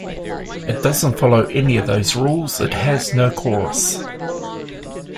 It doesn't follow any of those rules, it has no chorus.